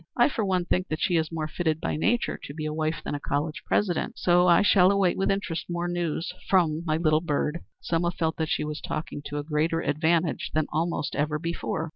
I, for one, think that she is more fitted by nature to be a wife than a college president, so I shall await with interest more news from my little bird." Selma felt that she was talking to greater advantage than almost ever before.